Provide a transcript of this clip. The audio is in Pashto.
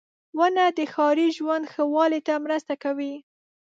• ونه د ښاري ژوند ښه والي ته مرسته کوي.